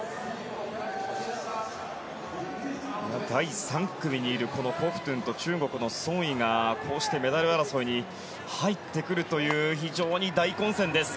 第３組にいるコフトゥンと中国のソン・イが、こうしてメダル争いに入ってくるという非常に大混戦です。